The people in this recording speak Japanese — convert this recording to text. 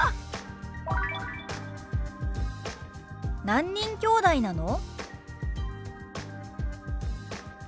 「何人きょうだいなの？」。